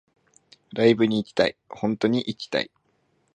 ライブに行きたい